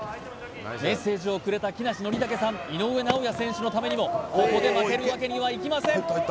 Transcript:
メッセージをくれた木梨憲武さん井上尚弥選手のためにもここで負けるわけにはいきません